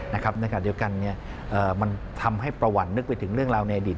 ในขณะเดียวกันมันทำให้ประวัตินึกไปถึงเรื่องราวในอดีต